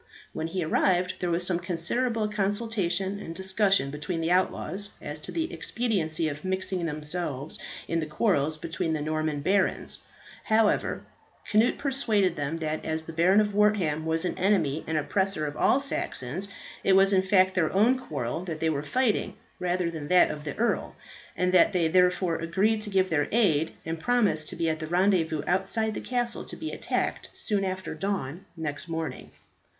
When he arrived there was some considerable consultation and discussion between the outlaws as to the expediency of mixing themselves in the quarrels between the Norman barons. However, Cnut persuaded them that as the Baron of Wortham was an enemy and oppressor of all Saxons, it was in fact their own quarrel that they were fighting rather than that of the earl, and they therefore agreed to give their aid, and promised to be at the rendezvous outside the castle to be attacked, soon after dawn next morning.